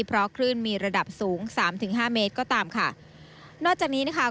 เพราะคลื่นมีระดับสูงสามถึงห้าเมตรก็ตามค่ะนอกจากนี้นะคะ